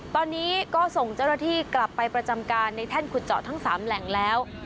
ตอนนี้ก็ส่งเจ้าหน้าที่กลับไปประจำการในแท่นขุดเจาะทั้ง๓แหล่งแล้ว